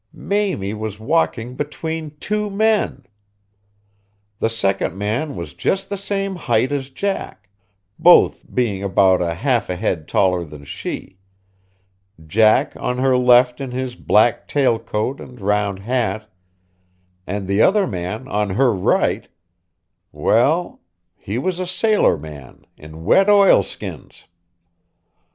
Mamie was walking between two men. The second man was just the same height as Jack, both being about a half a head taller than she; Jack on her left in his black tail coat and round hat, and the other man on her right well, he was a sailor man in wet oilskins.